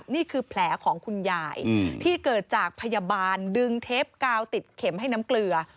นี่คือแผลของคุณยายที่เกิดจากพยาบาลดึงเทปกาวติดเข็มให้น้ำเกลือ